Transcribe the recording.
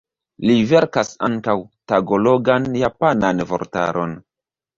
Li verkas ankaŭ tagalogan-japanan vortaron.